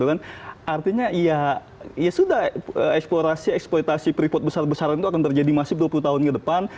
artinya ya sudah eksplorasi eksploitasi freeport besar besaran itu akan terjadi masif dua puluh tahun ke depan